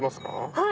はい。